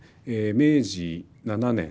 明治７年。